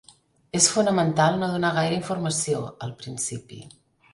És fonamental no donar gaire informació, al principi.